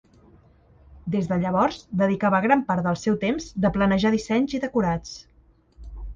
Des de llavors, dedicava gran part del seu temps de planejar dissenys i decorats.